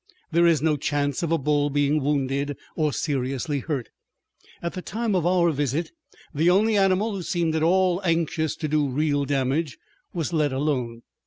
There is no chance of a bull being wounded or seriously hurt. At the time of our visit the only animal who seemed at all anxious to do real damage was let alone.